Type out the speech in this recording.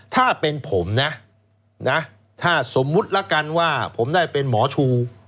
ถ้าเป็นผมนะถ้าสมมุติละกันว่าผมได้เป็นหมอชู